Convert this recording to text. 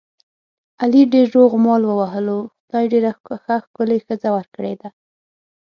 علي ډېر روغ مال ووهلو، خدای ډېره ښه ښکلې ښځه ور کړې ده.